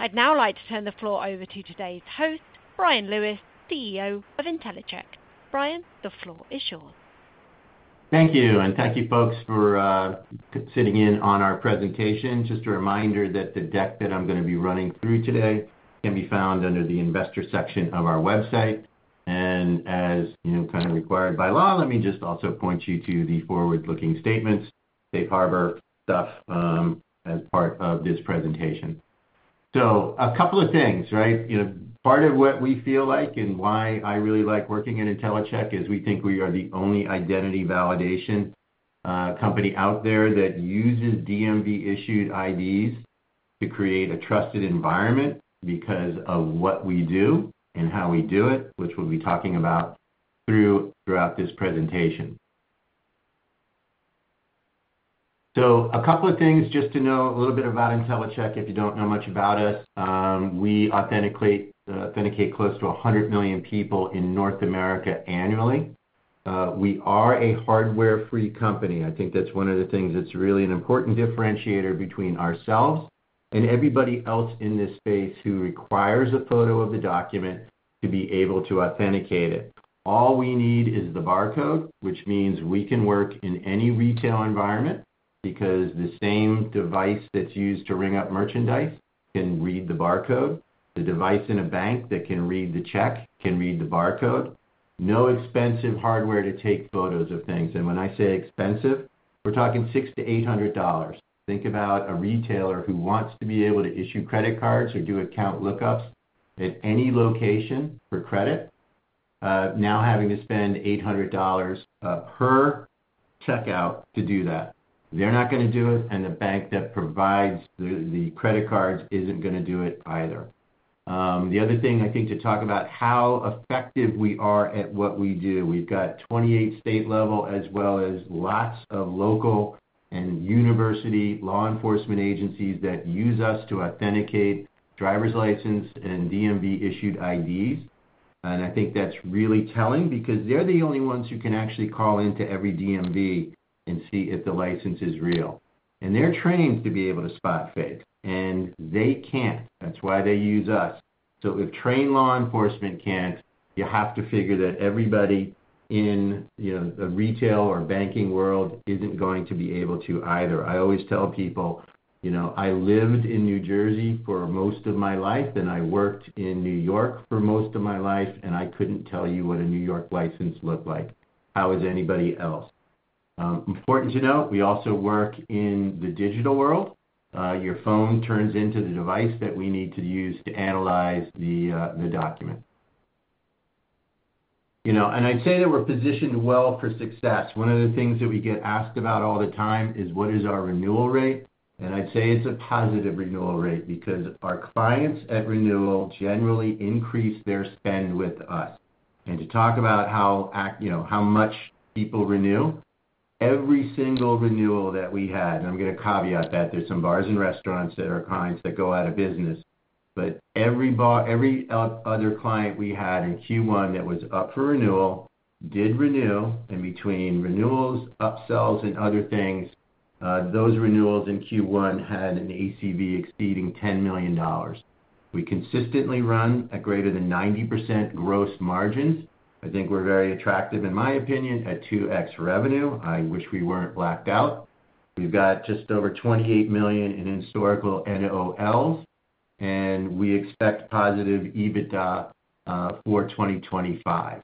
I'd now like to turn the floor over to today's host, Bryan Lewis, CEO of Intellicheck. Bryan, the floor is yours. Thank you, and thank you folks for sitting in on our presentation. Just a reminder that the deck that I'm going to be running through today can be found under the investor section of our website. As you know, kind of required by law, let me just also point you to the forward-looking statements, safe harbor stuff, as part of this presentation. A couple of things, right? You know, part of what we feel like and why I really like working at Intellicheck is we think we are the only identity validation company out there that uses DMV-issued IDs to create a trusted environment because of what we do and how we do it, which we'll be talking about throughout this presentation. A couple of things just to know a little bit about Intellicheck, if you don't know much about us, we authenticate close to 100 million people in North America annually. We are a hardware-free company. I think that's one of the things that's really an important differentiator between ourselves and everybody else in this space who requires a photo of the document to be able to authenticate it. All we need is the barcode, which means we can work in any retail environment because the same device that's used to ring up merchandise can read the barcode. The device in a bank that can read the check can read the barcode. No expensive hardware to take photos of things. And when I say expensive, we're talking $600-$800. Think about a retailer who wants to be able to issue credit cards or do account lookups at any location for credit, now having to spend $800 per checkout to do that. They're not going to do it, and the bank that provides the credit cards isn't going to do it either. The other thing I think to talk about how effective we are at what we do, we've got 28 state-level as well as lots of local and university law enforcement agencies that use us to authenticate driver's license and DMV-issued IDs. I think that's really telling because they're the only ones who can actually call into every DMV and see if the license is real. They're trained to be able to spot fake, and they can't. That's why they use us. If trained law enforcement can't, you have to figure that everybody in, you know, the retail or banking world isn't going to be able to either. I always tell people, you know, I lived in New Jersey for most of my life, and I worked in New York for most of my life, and I couldn't tell you what a New York license looked like, how is anybody else. Important to note, we also work in the digital world. Your phone turns into the device that we need to use to analyze the, the document. You know, and I'd say that we're positioned well for success. One of the things that we get asked about all the time is what is our renewal rate. And I'd say it's a positive renewal rate because our clients at renewal generally increase their spend with us. To talk about how, you know, how much people renew, every single renewal that we had, and I'm going to caveat that there's some bars and restaurants that are clients that go out of business, but every bar, every other client we had in Q1 that was up for renewal did renew. Between renewals, upsells, and other things, those renewals in Q1 had an ACV exceeding $10 million. We consistently run at greater than 90% gross margins. I think we're very attractive, in my opinion, at 2x revenue. I wish we weren't blacked out. We've got just over $28 million in historical NOLs, and we expect positive EBITDA for 2025.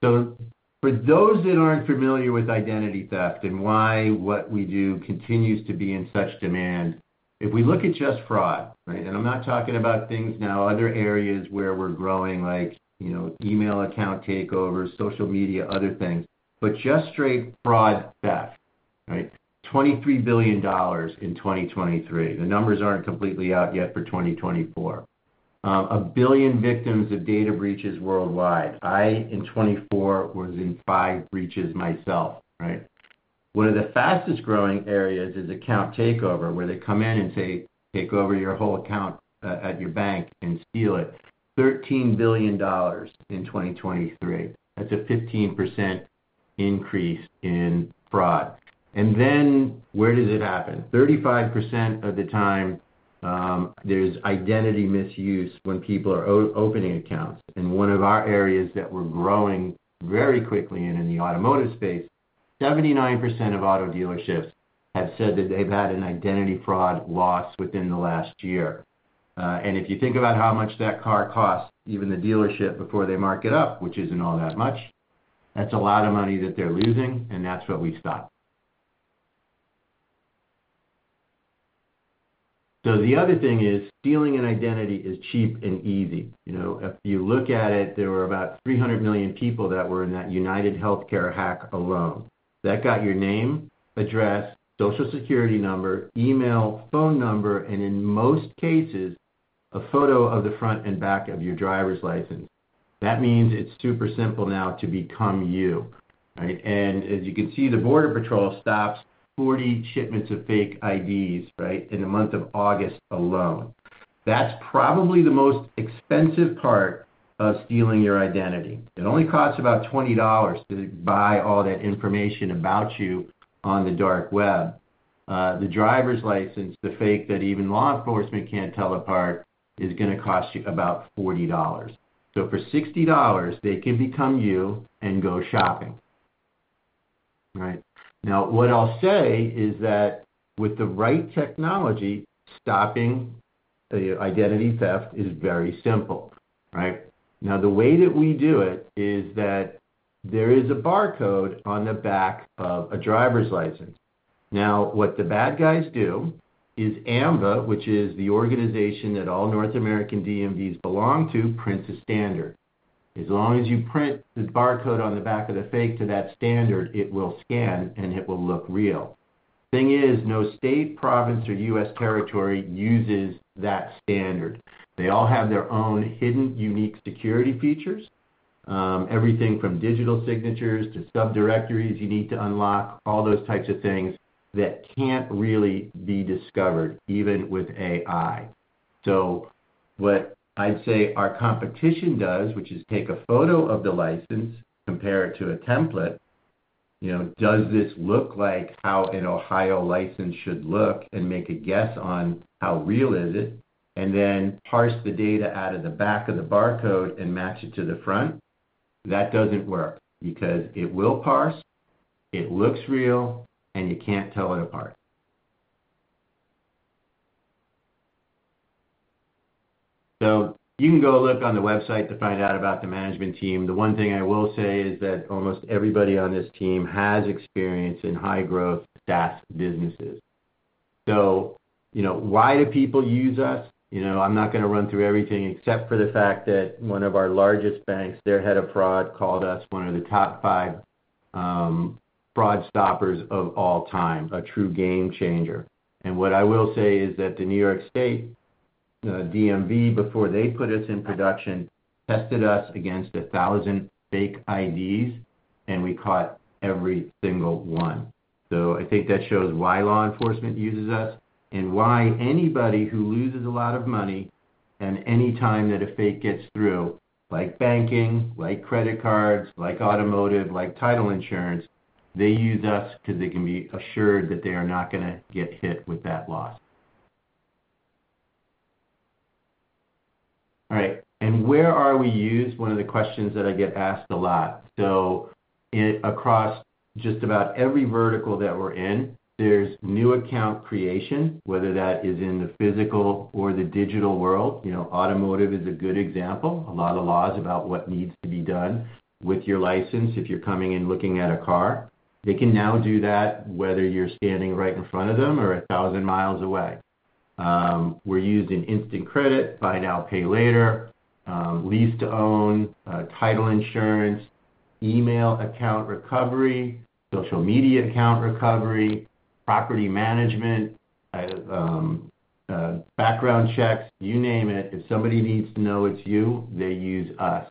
For those that aren't familiar with identity theft and why what we do continues to be in such demand, if we look at just fraud, right, and I'm not talking about things now, other areas where we're growing like, you know, email account takeovers, social media, other things, but just straight fraud theft, right? $23 billion in 2023. The numbers aren't completely out yet for 2024. A billion victims of data breaches worldwide. I in 2024 was in five breaches myself, right? One of the fastest growing areas is account takeover where they come in and say, "Take over your whole account at your bank and steal it." $13 billion in 2023. That's a 15% increase in fraud. And then where does it happen? 35% of the time, there's identity misuse when people are opening accounts. One of our areas that we're growing very quickly in, in the automotive space, 79% of auto dealerships have said that they've had an identity fraud loss within the last year. If you think about how much that car costs, even the dealership before they mark it up, which isn't all that much, that's a lot of money that they're losing, and that's what we stopped. The other thing is stealing an identity is cheap and easy. You know, if you look at it, there were about 300 million people that were in that UnitedHealthcare hack alone. That got your name, address, Social Security number, email, phone number, and in most cases, a photo of the front and back of your driver's license. That means it's super simple now to become you, right? As you can see, the Border Patrol stops 40 shipments of fake IDs in the month of August alone. That's probably the most expensive part of stealing your identity. It only costs about $20 to buy all that information about you on the dark web. The driver's license, the fake that even law enforcement can't tell apart, is going to cost you about $40. So for $60, they can become you and go shopping, right? Now, what I'll say is that with the right technology, stopping identity theft is very simple, right? Now, the way that we do it is that there is a barcode on the back of a driver's license. What the bad guys do is AAMVA, which is the organization that all North American DMVs belong to, prints a standard. As long as you print the barcode on the back of the fake to that standard, it will scan and it will look real. The thing is, no state, province, or U.S. territory uses that standard. They all have their own hidden unique security features, everything from digital signatures to subdirectories you need to unlock, all those types of things that can't really be discovered even with AI. What I'd say our competition does, which is take a photo of the license, compare it to a template, you know, does this look like how an Ohio license should look and make a guess on how real is it, and then parse the data out of the back of the barcode and match it to the front? That doesn't work because it will parse, it looks real, and you can't tell it apart. You can go look on the website to find out about the management team. The one thing I will say is that almost everybody on this team has experience in high-growth SaaS businesses. You know, why do people use us? You know, I'm not going to run through everything except for the fact that one of our largest banks, their head of fraud called us one of the top five fraud stoppers of all time, a true game changer. What I will say is that the New York State DMV, before they put us in production, tested us against 1,000 fake IDs, and we caught every single one. I think that shows why law enforcement uses us and why anybody who loses a lot of money and any time that a fake gets through, like banking, like credit cards, like automotive, like title insurance, they use us because they can be assured that they are not going to get hit with that loss. All right. Where are we used? One of the questions that I get asked a lot. Across just about every vertical that we're in, there's new account creation, whether that is in the physical or the digital world. You know, automotive is a good example. A lot of laws about what needs to be done with your license if you're coming in looking at a car. They can now do that whether you're standing right in front of them or a thousand miles away. We're using instant credit, buy now, pay later, lease to own, title insurance, email account recovery, social media account recovery, property management, background checks, you name it. If somebody needs to know it's you, they use us.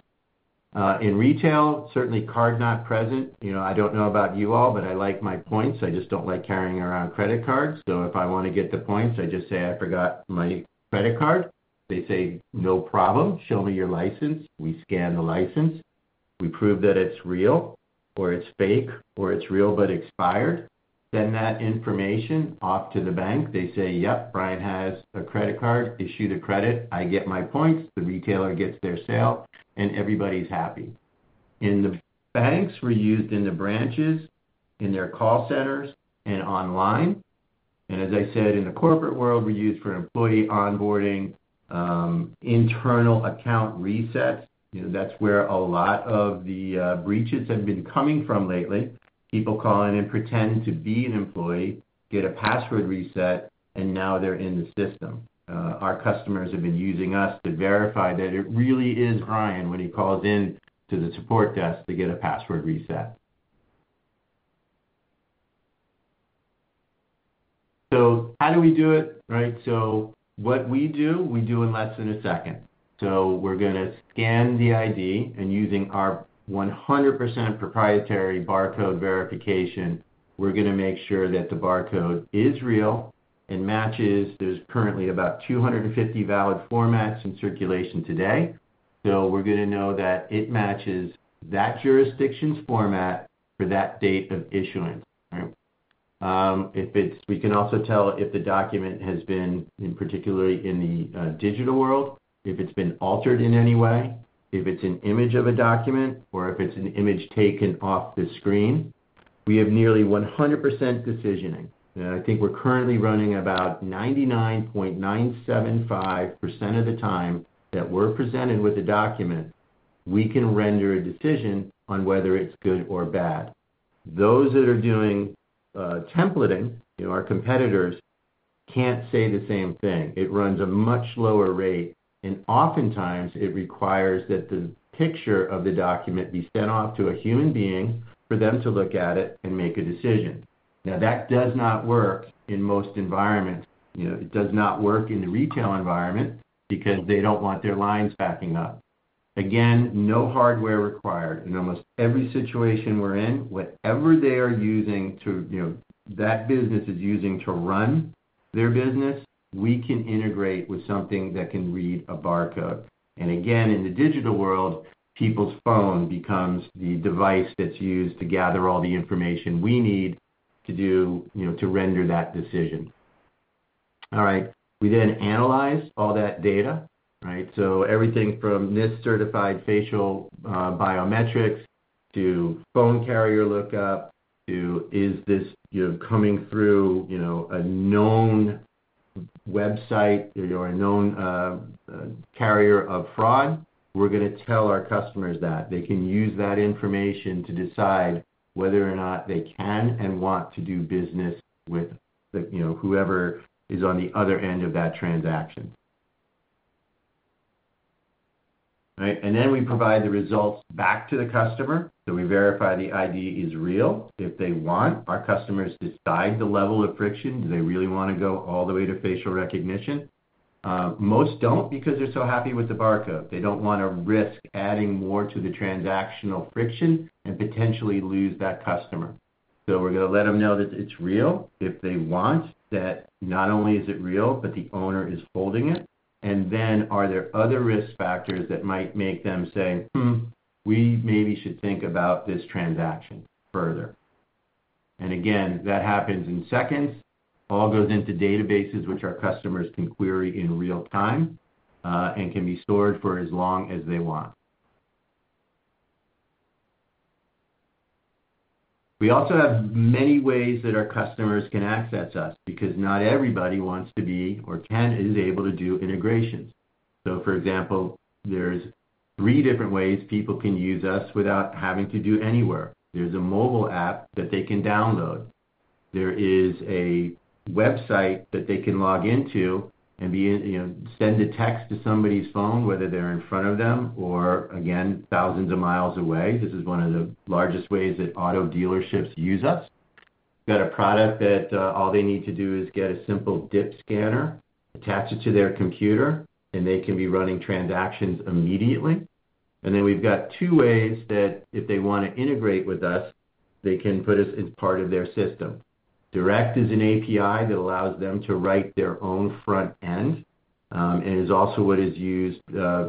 In retail, certainly card not present. You know, I don't know about you all, but I like my points. I just don't like carrying around credit cards. If I want to get the points, I just say, "I forgot my credit card." They say, "No problem. Show me your license." We scan the license. We prove that it's real or it's fake or it's real but expired. Send that information off to the bank. They say, "Yep, Bryan has a credit card, issue the credit." I get my points, the retailer gets their sale, and everybody's happy. In the banks, we're used in the branches, in their call centers, and online. As I said, in the corporate world, we're used for employee onboarding, internal account resets. You know, that's where a lot of the breaches have been coming from lately. People call in and pretend to be an employee, get a password reset, and now they're in the system. Our customers have been using us to verify that it really is Bryan when he calls in to the support desk to get a password reset. How do we do it, right? What we do, we do in less than a second. We're going to scan the ID, and using our 100% proprietary barcode verification, we're going to make sure that the barcode is real and matches. There are currently about 250 valid formats in circulation today. We're going to know that it matches that jurisdiction's format for that date of issuance, right? If it's, we can also tell if the document has been, particularly in the digital world, if it's been altered in any way, if it's an image of a document, or if it's an image taken off the screen. We have nearly 100% decisioning. I think we're currently running about 99.975% of the time that we're presented with a document, we can render a decision on whether it's good or bad. Those that are doing templating, you know, our competitors can't say the same thing. It runs at a much lower rate, and oftentimes it requires that the picture of the document be sent off to a human being for them to look at it and make a decision. That does not work in most environments. You know, it does not work in the retail environment because they don't want their lines backing up. Again, no hardware required. In almost every situation we're in, whatever they are using to, you know, that business is using to run their business, we can integrate with something that can read a barcode. Again, in the digital world, people's phone becomes the device that's used to gather all the information we need to do, you know, to render that decision. All right. We then analyze all that data, right? Everything from NIST-certified facial, biometrics to phone carrier lookup to is this, you know, coming through, you know, a known website or a known carrier of fraud. We're going to tell our customers that. They can use that information to decide whether or not they can and want to do business with the, you know, whoever is on the other end of that transaction. Right. We provide the results back to the customer. We verify the ID is real. If they want, our customers decide the level of friction. Do they really want to go all the way to facial recognition? Most do not because they are so happy with the barcode. They do not want to risk adding more to the transactional friction and potentially lose that customer. We are going to let them know that it is real if they want that not only is it real, but the owner is holding it. Are there other risk factors that might make them say, we maybe should think about this transaction further? That happens in seconds. All goes into databases, which our customers can query in real time, and can be stored for as long as they want. We also have many ways that our customers can access us because not everybody wants to be or can is able to do integrations. For example, there are three different ways people can use us without having to do anywhere. There is a mobile app that they can download. There is a website that they can log into and be, you know, send a text to somebody's phone, whether they're in front of them or, again, thousands of miles away. This is one of the largest ways that auto dealerships use us. We have a product that, all they need to do is get a simple dip scanner, attach it to their computer, and they can be running transactions immediately. Then we have two ways that if they want to integrate with us, they can put us as part of their system. Direct is an API that allows them to write their own front end, and is also what is used,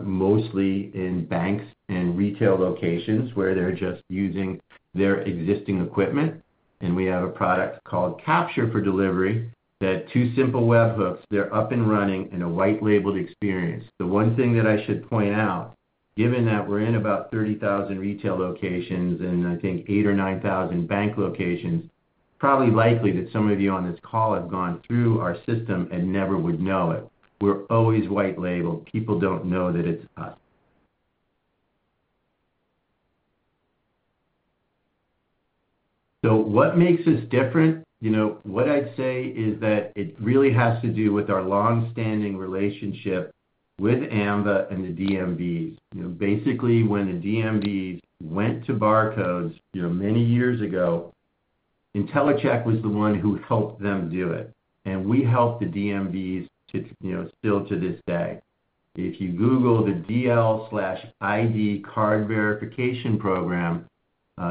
mostly in banks and retail locations where they're just using their existing equipment. We have a product called Capture for Delivery that, two simple webhooks, they're up and running in a white-labeled experience. The one thing that I should point out, given that we're in about 30,000 retail locations and I think 8,000 or 9,000 bank locations, probably likely that some of you on this call have gone through our system and never would know it. We're always white-labeled. People don't know that it's us. You know, what makes us different? What I'd say is that it really has to do with our long-standing relationship with AAMVA and the DMVs. You know, basically when the DMVs went to barcodes, you know, many years ago, IntelliCheck was the one who helped them do it. And we helped the DMVs to, you know, still to this day. If you Google the DL/ID card verification program,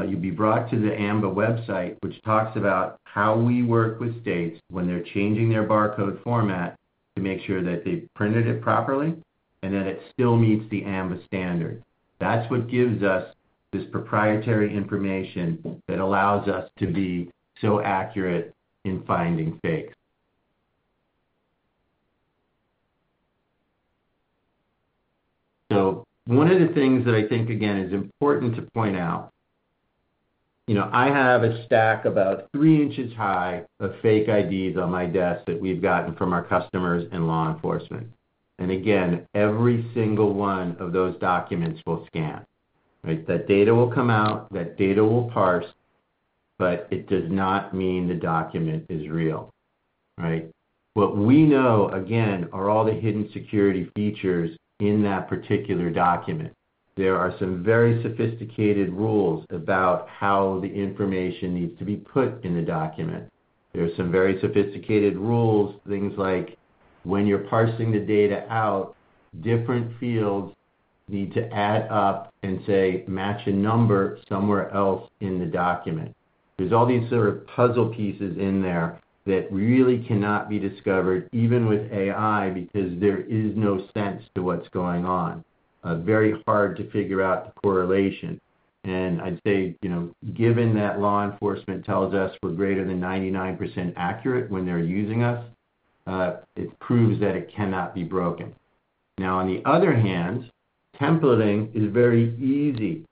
you'll be brought to the AAMVA website, which talks about how we work with states when they're changing their barcode format to make sure that they've printed it properly and that it still meets the AAMVA standard. That's what gives us this proprietary information that allows us to be so accurate in finding fakes. One of the things that I think, again, is important to point out, you know, I have a stack about 3 inches high of fake IDs on my desk that we've gotten from our customers and law enforcement. Again, every single one of those documents will scan, right? That data will come out, that data will parse, but it does not mean the document is real, right? What we know, again, are all the hidden security features in that particular document. There are some very sophisticated rules about how the information needs to be put in the document. There are some very sophisticated rules, things like when you're parsing the data out, different fields need to add up and say, "Match a number somewhere else in the document." There's all these sort of puzzle pieces in there that really cannot be discovered even with AI because there is no sense to what's going on. It is very hard to figure out the correlation. I'd say, you know, given that law enforcement tells us we're greater than 99% accurate when they're using us, it proves that it cannot be broken. Now, on the other hand, templating is very easy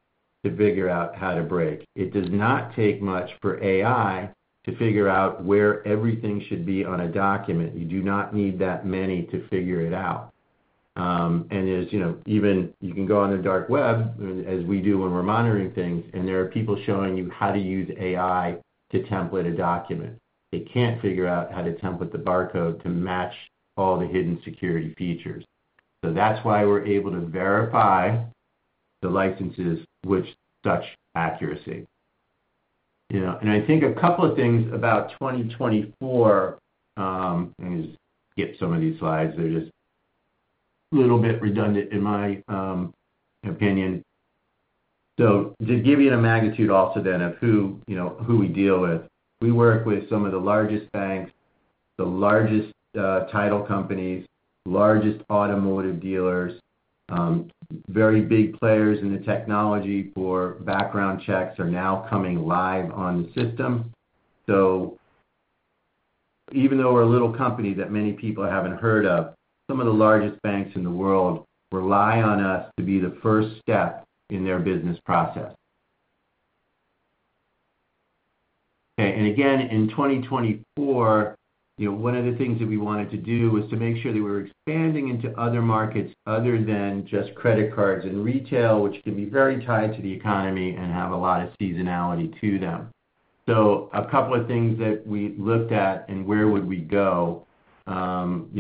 to figure out how to break. It does not take much for AI to figure out where everything should be on a document. You do not need that many to figure it out. You know, even you can go on the dark web, as we do when we're monitoring things, and there are people showing you how to use AI to template a document. They can't figure out how to template the barcode to match all the hidden security features. So that's why we're able to verify the licenses with such accuracy. You know, and I think a couple of things about 2024, let me just skip some of these slides. They're just a little bit redundant in my opinion. To give you the magnitude also then of who, you know, who we deal with, we work with some of the largest banks, the largest title companies, largest automotive dealers, very big players in the technology for background checks are now coming live on the system. Even though we're a little company that many people haven't heard of, some of the largest banks in the world rely on us to be the first step in their business process. In 2024, you know, one of the things that we wanted to do was to make sure that we were expanding into other markets other than just credit cards and retail, which can be very tied to the economy and have a lot of seasonality to them. A couple of things that we looked at and where would we go, you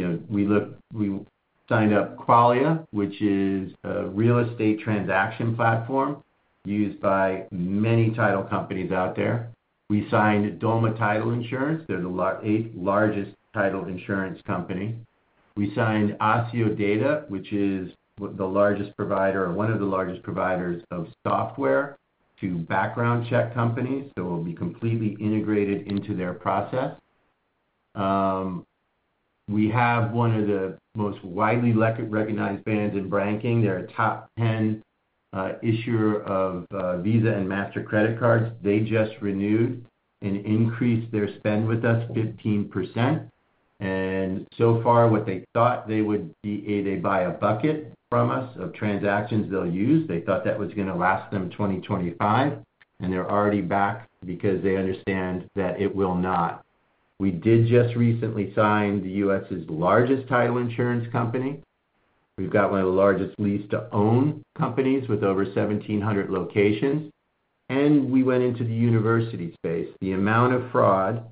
know, we looked, we signed up Qualia, which is a real estate transaction platform used by many title companies out there. We signed Doma Title Insurance. They're the eighth-largest title insurance company. We signed Accio Data, which is the largest provider or one of the largest providers of software to background check companies. So it'll be completely integrated into their process. We have one of the most widely recognized brands in banking. They're a top 10 issuer of Visa and Mastercard credit cards. They just renewed and increased their spend with us 15%. And so far what they thought they would be, they buy a bucket from us of transactions they'll use. They thought that was going to last them 2025, and they're already back because they understand that it will not. We did just recently sign the U.S.'s largest title insurance company. We've got one of the largest lease-to-own companies with over 1,700 locations. We went into the university space. The amount of fraud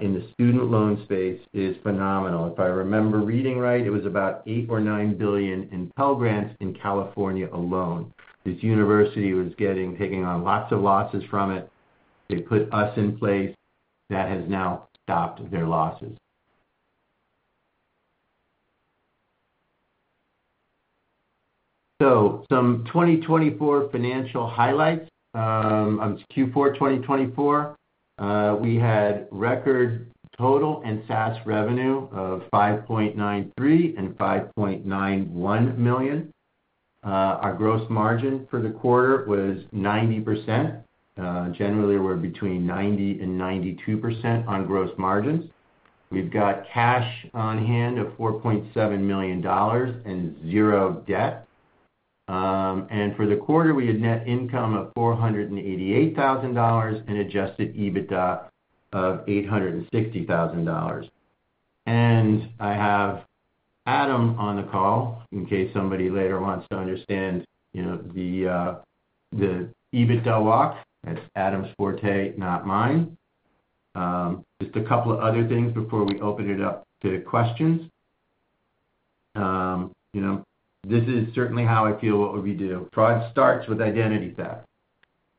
in the student loan space is phenomenal. If I remember reading right, it was about $8 billion or $9 billion in Pell Grants in California alone. This university was getting, taking on lots of losses from it. They put us in place that has now stopped their losses. Some 2024 financial highlights. In Q4 2024, we had record total and SaaS revenue of $5.93 million and $5.91 million. Our gross margin for the quarter was 90%. Generally we're between 90% and 92% on gross margins. We've got cash on hand of $4.7 million and zero debt. For the quarter we had net income of $488,000 and adjusted EBITDA of $860,000. I have Adam on the call in case somebody later wants to understand, you know, the EBITDA walk. That's Adam's forte, not mine. Just a couple of other things before we open it up to questions. You know, this is certainly how I feel what we do. Fraud starts with identity theft.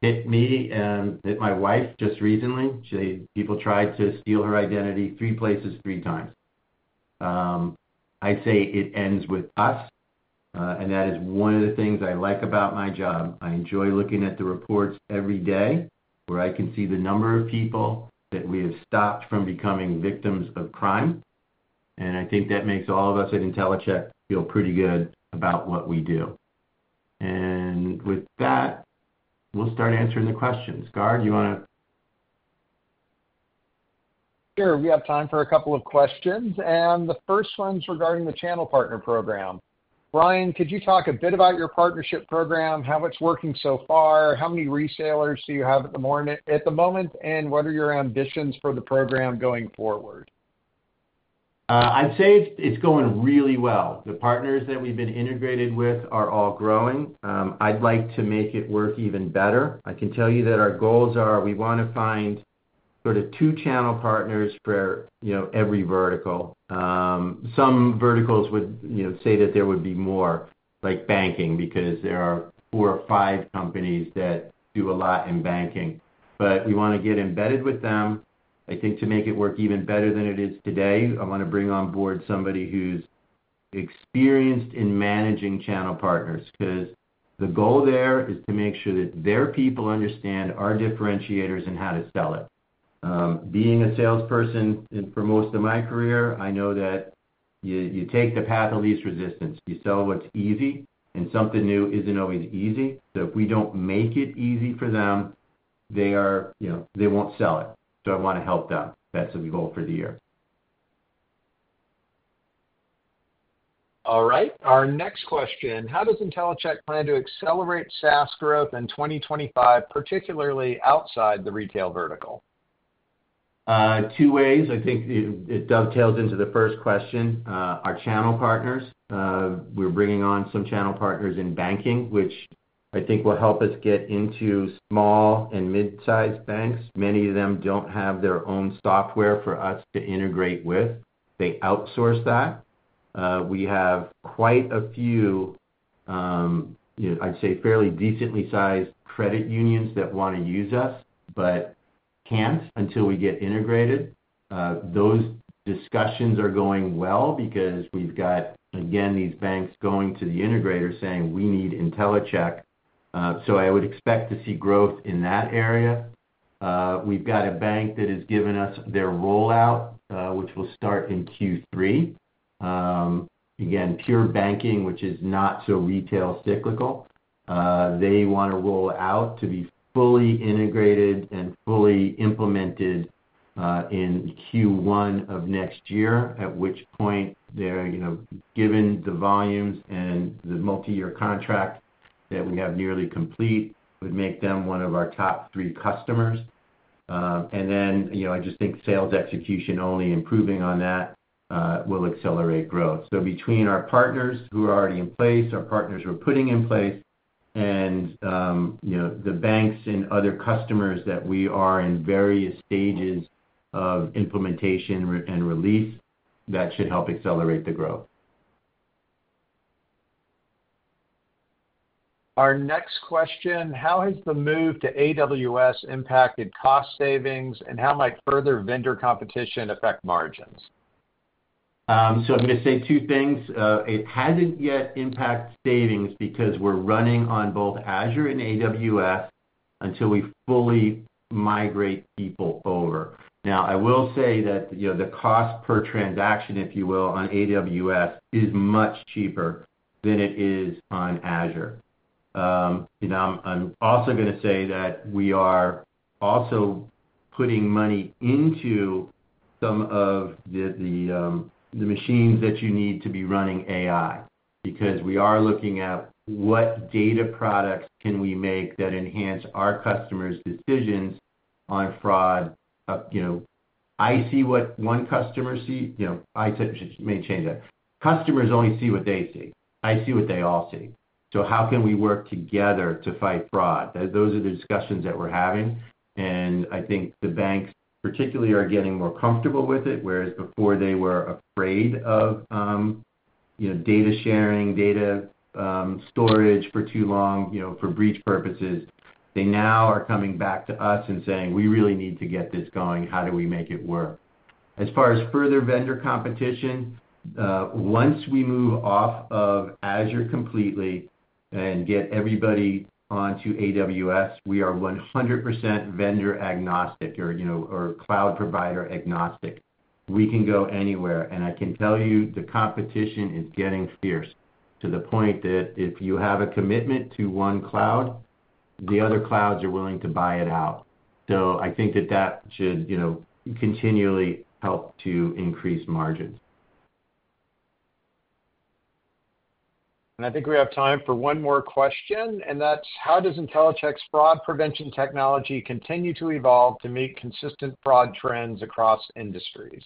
Hit me and hit my wife just recently. She said people tried to steal her identity three places, three times. I say it ends with us. That is one of the things I like about my job. I enjoy looking at the reports every day where I can see the number of people that we have stopped from becoming victims of crime. I think that makes all of us at Intellicheck feel pretty good about what we do. With that, we'll start answering the questions. Gar, you want to? Sure. We have time for a couple of questions. The first one's regarding the channel partner program. Bryan, could you talk a bit about your partnership program, how it's working so far? How many resellers do you have at the moment? What are your ambitions for the program going forward? I'd say it's going really well. The partners that we've been integrated with are all growing. I'd like to make it work even better. I can tell you that our goals are we want to find sort of two channel partners for, you know, every vertical. Some verticals would, you know, say that there would be more, like banking, because there are four or five companies that do a lot in banking. We want to get embedded with them. I think to make it work even better than it is today, I want to bring on board somebody who's experienced in managing channel partners because the goal there is to make sure that their people understand our differentiators and how to sell it. Being a salesperson for most of my career, I know that you, you take the path of least resistance. You sell what's easy, and something new isn't always easy. If we don't make it easy for them, they are, you know, they won't sell it. I want to help them. That's the goal for the year. All right. Our next question. How does Intellicheck plan to accelerate SaaS growth in 2025, particularly outside the retail vertical? Two ways. I think it dovetails into the first question. Our channel partners. We're bringing on some channel partners in banking, which I think will help us get into small and mid-sized banks. Many of them don't have their own software for us to integrate with. They outsource that. We have quite a few, you know, I'd say fairly decently sized credit unions that want to use us, but can't until we get integrated. Those discussions are going well because we've got, again, these banks going to the integrator saying, "We need Intellicheck." I would expect to see growth in that area. We've got a bank that has given us their rollout, which will start in Q3. Again, pure banking, which is not so retail cyclical. They want to roll out to be fully integrated and fully implemented, in Q1 of next year, at which point they're, you know, given the volumes and the multi-year contract that we have nearly complete, would make them one of our top three customers. I just think sales execution only improving on that, will accelerate growth. Between our partners who are already in place, our partners we're putting in place, and, you know, the banks and other customers that we are in various stages of implementation and release, that should help accelerate the growth. Our next question. How has the move to AWS impacted cost savings and how might further vendor competition affect margins? I'm going to say two things. It hasn't yet impacted savings because we're running on both Azure and AWS until we fully migrate people over. Now, I will say that, you know, the cost per transaction, if you will, on AWS is much cheaper than it is on Azure. You know, I'm also going to say that we are also putting money into some of the machines that you need to be running AI because we are looking at what data products can we make that enhance our customers' decisions on fraud. You know, I see what one customer sees, you know, I said may change that. Customers only see what they see. I see what they all see. How can we work together to fight fraud? Those are the discussions that we're having. I think the banks particularly are getting more comfortable with it, whereas before they were afraid of, you know, data sharing, data, storage for too long, you know, for breach purposes. They now are coming back to us and saying, "We really need to get this going. How do we make it work?" As far as further vendor competition, once we move off of Azure completely and get everybody onto AWS, we are 100% vendor agnostic or, you know, cloud provider agnostic. We can go anywhere. I can tell you the competition is getting fierce to the point that if you have a commitment to one cloud, the other clouds are willing to buy it out. I think that that should, you know, continually help to increase margins. I think we have time for one more question. That's, how does Intellicheck's fraud prevention technology continue to evolve to meet consistent fraud trends across industries?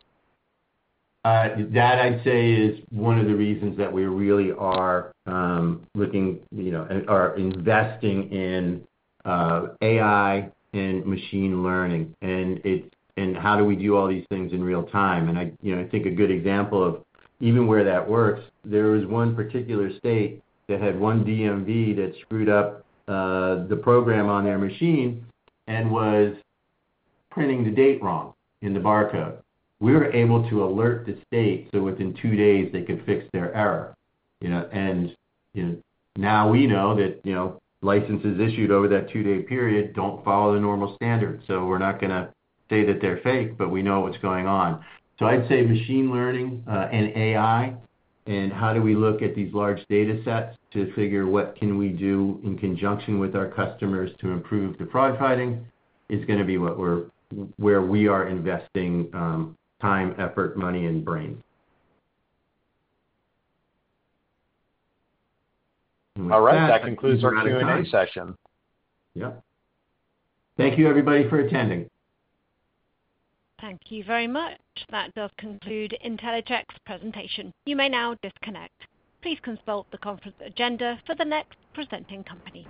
That I'd say is one of the reasons that we really are, looking, you know, or investing in, AI and machine learning. It's, and how do we do all these things in real time? I think a good example of even where that works, there was one particular state that had one DMV that screwed up the program on their machine and was printing the date wrong in the barcode. We were able to alert the state so within two days they could fix their error, you know. Now we know that, you know, licenses issued over that two-day period don't follow the normal standard. We're not going to say that they're fake, but we know what's going on. I'd say machine learning, and AI, and how do we look at these large data sets to figure what can we do in conjunction with our customers to improve the fraud fighting is going to be what we're, where we are investing, time, effort, money, and brain. All right. That concludes our Q&A session. Yep. Thank you, everybody, for attending. Thank you very much. That does conclude Intellicheck's presentation. You may now disconnect. Please consult the conference agenda for the next presenting company.